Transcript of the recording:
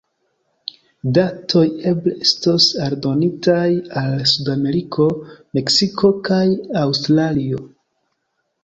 Datoj eble estos aldonitaj al Sudameriko, Meksiko kaj Aŭstralio.